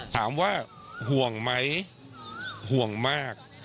ถามว่าห่วงไหมห่วงมาก